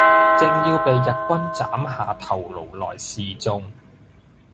正要被日軍砍下頭顱來示衆，